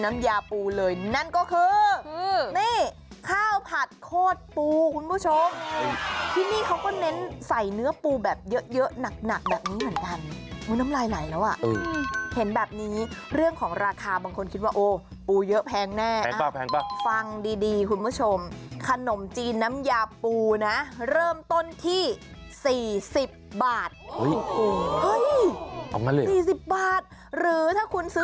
น้ำยาปูเลยนั่นก็คือนี่ข้าวผัดโคตรปูคุณผู้ชมที่นี่เขาก็เน้นใส่เนื้อปูแบบเยอะเยอะหนักแบบนี้เหมือนกันน้ำลายไหลแล้วอ่ะเห็นแบบนี้เรื่องของราคาบางคนคิดว่าโอ้ปูเยอะแพงแน่ฟังดีดีคุณผู้ชมขนมจีนน้ำยาปูนะเริ่มต้นที่๔๐บาทโอ้โห